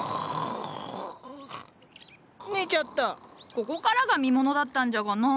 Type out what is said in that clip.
ここからが見ものだったんじゃがな。